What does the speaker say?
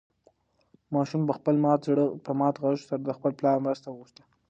ماشوم په خپل مات غږ سره د خپل پلار مرسته وغوښته.